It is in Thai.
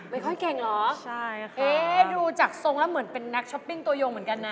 ไม่ค่อยเก่งเหรอใช่เอ๊ะดูจากทรงแล้วเหมือนเป็นนักช้อปปิ้งตัวยงเหมือนกันนะ